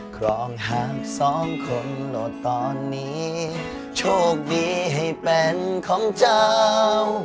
ครองหากสองคนโหลดตอนนี้โชคดีให้เป็นของเจ้า